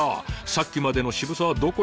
さっきまでの渋さはどこへやら。